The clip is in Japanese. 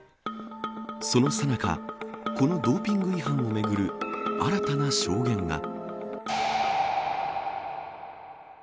そのさなかこのドーピング違反をめぐる新たな証言が。